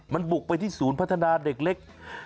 มันบุกไปที่ศูนย์พัฒนาเด็กเล็ก